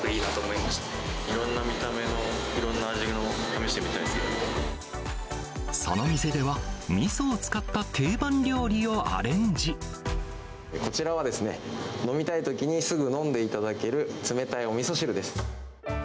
いろんな見た目の、その店では、みそを使った定こちらは、飲みたいときにすぐ飲んでいただける冷たいおみそ汁です。